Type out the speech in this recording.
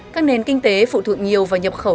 các nền kinh tế phụ thuộc nhiều vào nhập khẩu